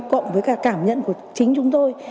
cộng với cả cảm nhận của chính chúng tôi